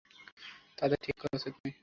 তাদের ঠিক করা উচিত নয়।